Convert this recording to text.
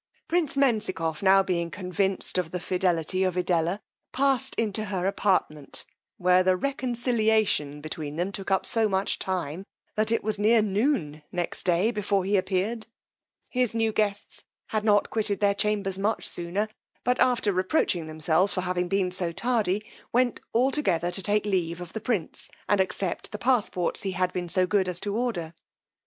Prince Menzikoff, being now convinced of the fidelity of Edella, passed into her apartment, where the reconciliation between them took up so much time, that it was near noon next day before he appeared: his new guests had not quitted their chambers much sooner; but after reproaching themselves for having been so tardy, went altogether to take leave of the prince, and accept the passports he had been so good to order.